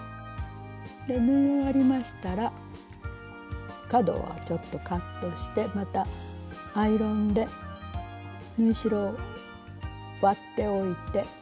縫い終わりましたら角はちょっとカットしてまたアイロンで縫い代を割っておいて。